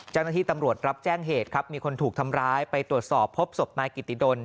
เจ้าหน้าที่ตำรวจรับแจ้งเหตุครับมีคนถูกทำร้ายไปตรวจสอบพบศพนายกิติดล